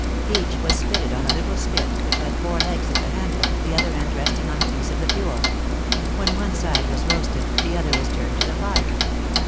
Each was spitted on a little spit, which had four legs at the handle, the other end resting on a piece of the fuel. When one side was roasted, the other was turned to the fire.